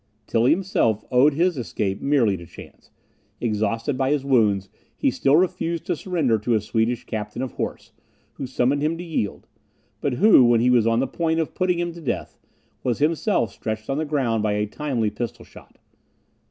Tilly himself owed his escape merely to chance. Exhausted by his wounds, he still refused to surrender to a Swedish captain of horse, who summoned him to yield; but who, when he was on the point of putting him to death, was himself stretched on the ground by a timely pistol shot.